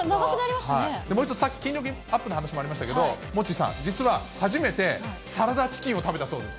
さっき筋力アップの話ありましたけど、モッチーさん、実は初めてサラダチキンを食べたそうです。